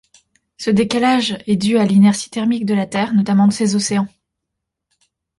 Ce décalage est dû à l'inertie thermique de la Terre, notamment de ses océans.